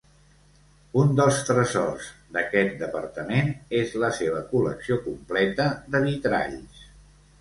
Un dels tresors d'aquest departament és la seva col·lecció completa de vitralls.